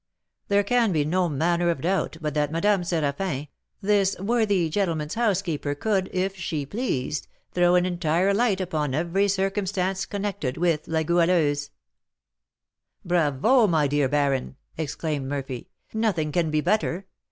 There can be no manner of doubt but that Madame Séraphin, this worthy gentleman's housekeeper, could, if she pleased, throw an entire light upon every circumstance connected with La Goualeuse." "Bravo, my dear baron!" exclaimed Murphy; "nothing can be better.